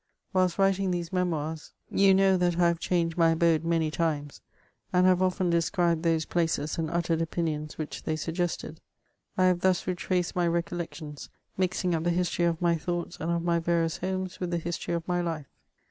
Whilst writing these Memoirs, you know tbat I h&ve changed my abode many times, and have often described those places, and uttered opinions which they suggested ; I have thus retraced my recollections, mixing up the history of my thoughts and of my yarious homes with the history of my life.